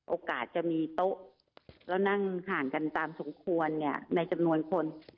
โอกาสจะมีโต๊ะแล้วนั่งห่างกันตามสมควรเนี่ยในจำนวนคน